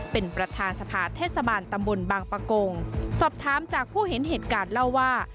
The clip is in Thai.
เป็นประธานสภาเทศบาลตำบลบางปะกงสอบถามจากผู้เห็นเหตุการณ์เล่าว่า